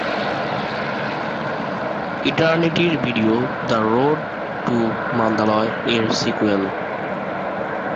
"ইটার্নিটি"র video "the road to Mandalay" এর sequel.